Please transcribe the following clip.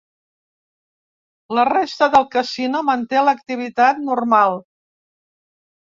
La resta del casino manté l'activitat normal.